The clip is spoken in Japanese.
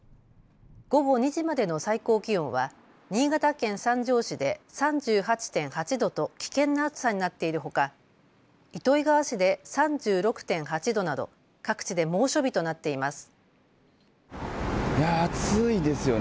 午後２時までの最高気温は新潟県三条市で３８．８度と危険な暑さになっているほか糸魚川市で３６．８度など各地で猛暑日となっています。